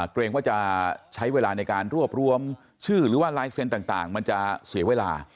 เกรงว่าจะใช้เวลาในการรวบรวมชื่อหรือว่าลายเซ็นต์ต่างมันจะเสียเวลา